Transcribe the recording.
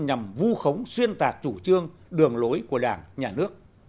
nhằm vu khống xuyên tạc chủ trương đường lối của đảng nhà nước